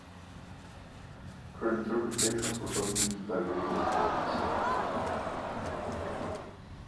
Her interpretations were documented by radio recordings.